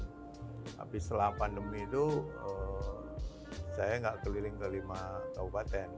tapi setelah pandemi itu saya nggak keliling ke lima kabupaten